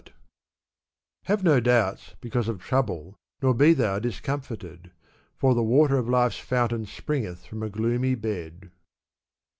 Have no doubts because of trouble nor be thou dis comfited ; For the water of life's fountain^ springeth from a gloomy bed.